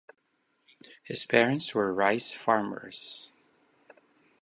His parents were rice farmers.